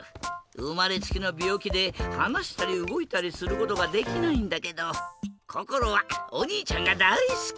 うまれつきのびょうきではなしたりうごいたりすることができないんだけどこころはおにいちゃんがだいすき！